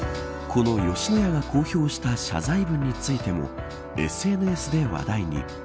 この吉野家が公表した謝罪文についてもＳＮＳで話題に。